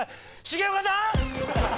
重岡さん！